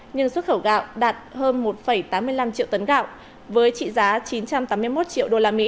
nhưng xuất khẩu gạo đạt hơn một tám mươi năm triệu tấn gạo với trị giá chín trăm tám mươi một triệu usd